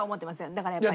だからやっぱり。